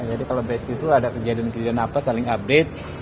jadi kalau besti itu ada kejadian kejadian apa saling update